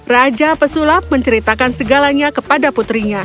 raja pesulap menceritakan segalanya kepada putrinya